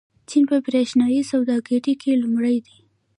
چین په برېښنايي سوداګرۍ کې لومړی دی.